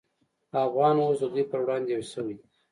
افغانان اوس د دوی پر وړاندې یو شوي دي